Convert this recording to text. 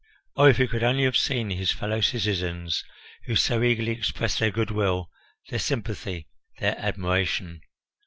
Oh, if he could only have seen his fellow citizens who so eagerly expressed their good will, their sympathy, their admiration!